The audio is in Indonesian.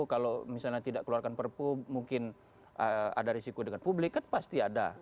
kalau misalnya tidak keluarkan perpu mungkin ada risiko dengan publik kan pasti ada